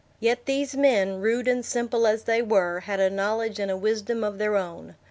Yet these men, rude and simple as they were, had a knowledge and a wisdom of their own.